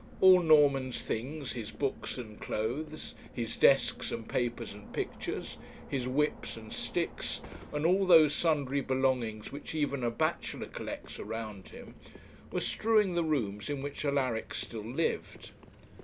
All Norman's things, his books and clothes, his desks and papers and pictures, his whips and sticks, and all those sundry belongings which even a bachelor collects around him were strewing the rooms in which Alaric still lived.